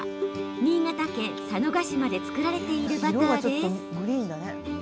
新潟県、佐渡島で作られているバターです。